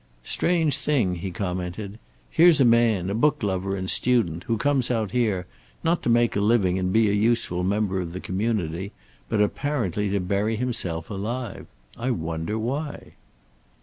"Strange thing," he commented. "Here's a man, a book lover and student, who comes out here, not to make living and be a useful member of the community, but apparently to bury himself alive. I wonder, why."